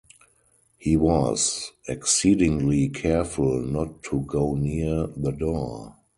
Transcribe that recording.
He was exceedingly careful not to go near the door.